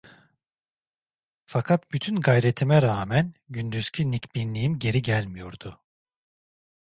Fakat bütün gayretime rağmen gündüzki nikbinliğim geri gelmiyordu.